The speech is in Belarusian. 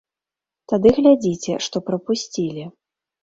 Тады глядзіце, што прапусцілі!